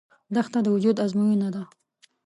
دښته د وجود ازموینه ده.